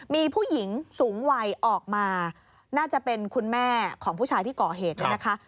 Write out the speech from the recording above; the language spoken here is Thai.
มีผู้หญิงสูงวัยออกมาน่าจะเป็นคุณแม่ของผู้ชายที่ก่อเหตุเนี่ยนะคะ